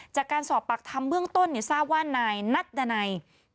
จากการสอบปากคำเบื้องต้นทราบว่านายนัดดันัย